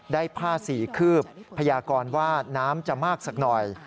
ได้ผ้าสีคืบพยากรว่าน้ำจะมากสักหน่อย